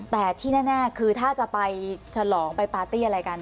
แต่ที่แน่คือถ้าจะไปฉลองไปปาร์ตี้อะไรกัน